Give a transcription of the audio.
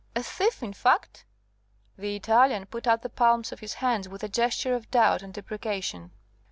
"A thief, in fact?" The Italian put out the palms of his hands with a gesture of doubt and deprecation.